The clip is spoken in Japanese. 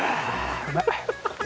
うまい。